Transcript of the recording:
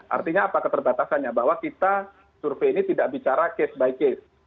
artinya apa keterbatasannya bahwa kita survei ini tidak bicara case by case